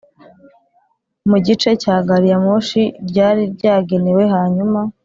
mu gice cya gari ya moshi ryari ryagenewe Hanyuma